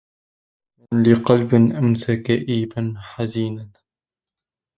من لقلب أمسى كئيبا حزينا